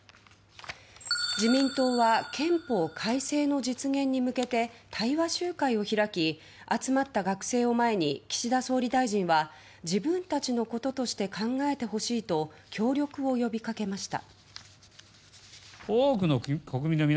自民党は憲法改正の実現に向けて対話集会を開き集まった学生を前に岸田総理大臣は自分たちのこととして考えてほしいと協力を呼びかけました。